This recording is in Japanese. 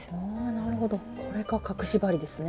なるほどこれが隠し針ですね。